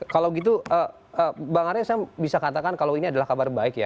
kalau gitu bang arya saya bisa katakan kalau ini adalah kabar baik ya